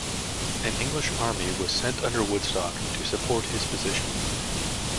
An English army was sent under Woodstock to support his position.